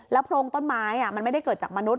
โพรงต้นไม้มันไม่ได้เกิดจากมนุษย